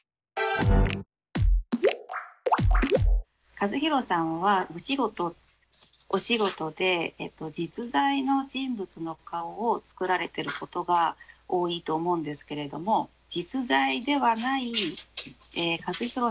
カズ・ヒロさんはお仕事で実在の人物の顔を作られてることが多いと思うんですけれども実在ではないカズ・ヒロさん